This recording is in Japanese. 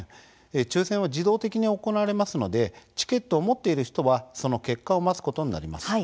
抽せんは自動的に行われますのでチケットを持っている人は、その結果を待つことになります。